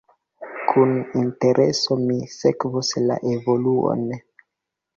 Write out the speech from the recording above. Kun intereso mi sekvos la evoluon.